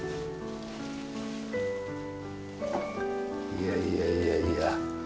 いやいやいやいや。